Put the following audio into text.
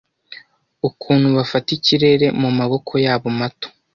ukuntu bafata ikirere mumaboko yabo mato